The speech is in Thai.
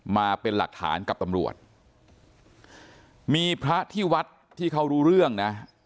มาเป็นหลักฐานกับตำรวจมีพระที่วัดที่เขารู้เรื่องนะ